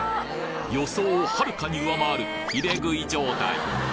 予想をはるか上回る入れ食い状態！